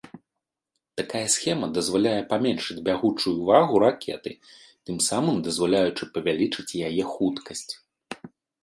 Такая схема дазваляе паменшыць бягучую вагу ракеты, тым самым дазваляючы павялічыць яе хуткасць.